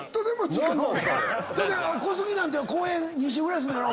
だって小杉なんて公園２周ぐらいすんのやろ？